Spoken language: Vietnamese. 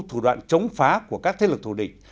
thủ đoạn chống phá của các thế lực thù địch